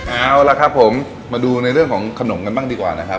เอาละครับผมมาดูในเรื่องของขนมกันบ้างดีกว่านะครับ